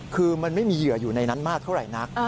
คือมันไม่มีเหยื่ออยู่ในนั้นมากเท่าไหร่นัก